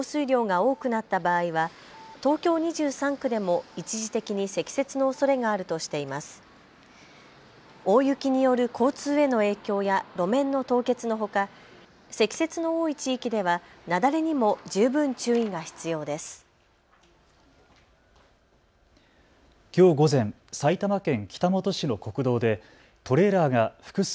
大雪による交通への影響や路面の凍結のほか積雪の多い地域では雪崩にも十分注意が必要です。